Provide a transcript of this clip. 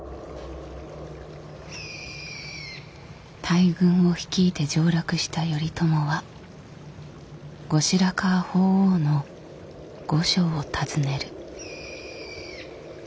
大軍を率いて上洛した頼朝は後白河法皇の御所を訪ねる。